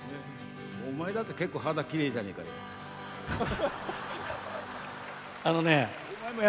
お前だって結構、肌きれいじゃねえかよ。